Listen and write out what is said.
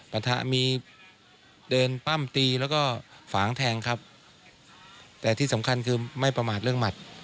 ประทะมีเดินปั้มตีแล้วก็ฝางแทงครับแต่ที่สำคัญคือไม่ประมาทเรื่องหมัด